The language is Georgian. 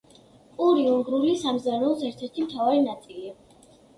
პური უნგრული სამზარეულოს ერთ-ერთი მთავარი ნაწილია.